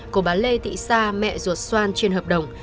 của bà lê thị sa mẹ ruột xoan trên hợp đồng